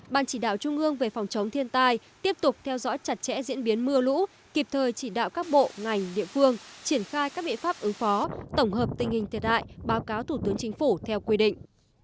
ban chỉ đạo trung ương về phòng chống thiên tai tiếp tục theo dõi chặt chẽ diễn biến mưa lũ kịp thời chỉ đạo các bộ ngành địa phương triển khai các biện pháp ứng phó tổng hợp tình hình thiệt hại báo cáo thủ tướng chính phủ theo quy định